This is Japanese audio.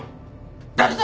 誰だ！